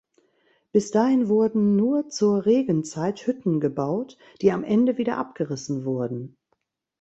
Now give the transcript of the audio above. Bis dahin wurden nur zur Regenzeit Hütten gebaut, die am Ende wieder abgerissen wurden.